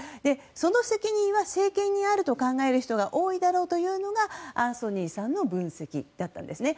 その責任は政権にあると考える人が多いだろうというのがアンソニーさんの分析だったんですね。